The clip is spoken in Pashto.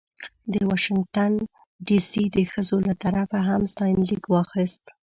د واشنګټن ډې سي د ښځو له طرفه هم ستاینلیک واخیست.